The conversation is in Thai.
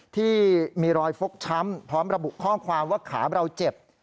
ที่มีรอยฟกช้ำพร้อมระบุข้อความว่าขาเราเจ็บ